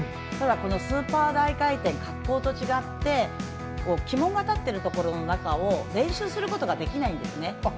ただ、スーパー大回転は滑降と違って旗門が立っているところの中を練習することができないんですね。